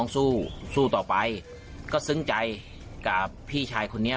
สู้สู้ต่อไปก็ซึ้งใจกับพี่ชายคนนี้